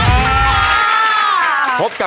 สวัสดีครับ